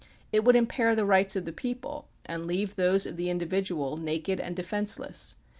It would impair the rights of the people and leave those of the individual naked and defenceless.